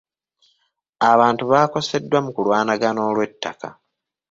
Abantu baakoseddwa mu kulwanagana olw'ettaka.